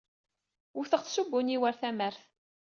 Wteɣ-t s ubunyiw ɣer tamart.